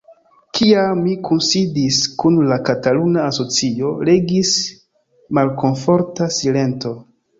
Kiam mi kunsidis kun la kataluna asocio, regis malkomforta silento.